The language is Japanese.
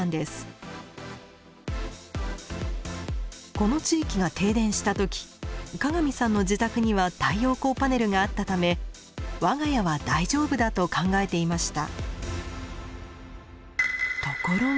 この地域が停電した時加賀見さんの自宅には太陽光パネルがあったため「我が家は大丈夫だ」と考えていました。